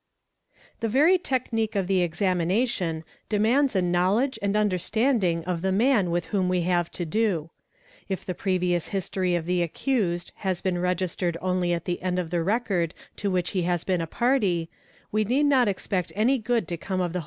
Z The very technique of the examination demands a knowledge and % understanding of the man with whom we have to do. If the previous ie history of the accused has been registered only at the end of the record to ' septich he has been a party, we need not expect any good to come of the 7.